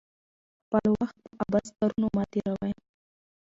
خپل وخت په عبث کارونو مه تیروئ.